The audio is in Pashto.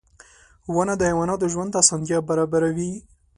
• ونه د حیواناتو ژوند ته اسانتیا برابروي.